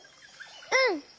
うん！